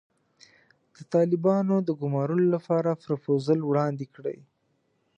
د طالبانو د ګومارلو لپاره پروفوزل وړاندې کړي.